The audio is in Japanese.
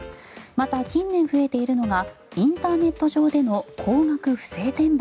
また、近年増えているのがインターネット上での高額不正転売。